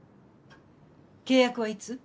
契約はいつ？